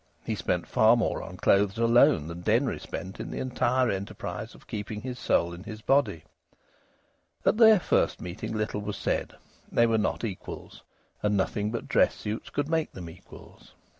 He spent far more on clothes alone than Denry spent in the entire enterprise of keeping his soul in his body. At their first meeting little was said. They were not equals, and nothing but dress suits could make them equals.